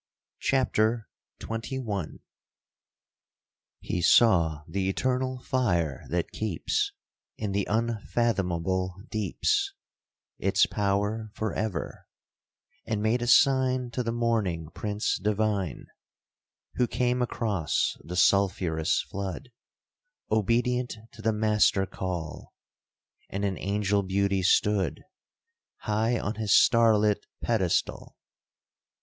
CHAPTER XXI He saw the eternal fire that keeps, In the unfathomable deeps, Its power for ever, and made a sign To the morning prince divine; Who came across the sulphurous flood, Obedient to the master call, And in angel beauty stood, High on his star lit pedestal.